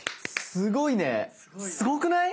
すごいな。